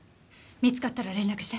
見つかったら連絡して。